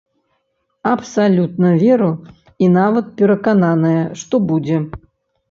Абсалютна веру і нават перакананая, што будзе.